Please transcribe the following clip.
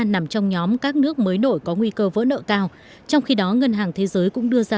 nằm trong nhóm các nước mới nổi có nguy cơ vỡ nợ cao trong khi đó ngân hàng thế giới cũng đưa ra